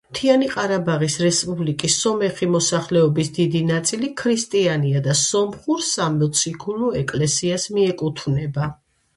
მთიანი ყარაბაღის რესპუბლიკის სომეხი მოსახლეობის დიდი ნაწილი ქრისტიანია და სომხურ სამოციქულო ეკლესიას მიეკუთვნება.